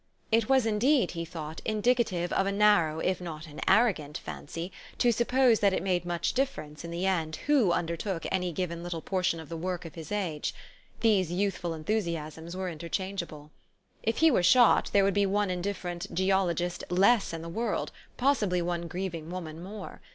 It was, indeed, he thought, indicative of a narrow, if not an arrogant fancy, to suppose that it made much difference, in the end, who undertook any given little portion of the work of his age : these youthful enthusiasms were interchangeable. If he were shot, there would be one indifferent geologist less in the world, possibly one grieving woman more.